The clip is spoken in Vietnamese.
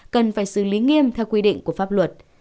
cần phải xử lý nghiêm theo quy định của pháp luật